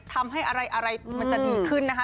ทำให้อะไรมันจะดีขึ้นนะคะ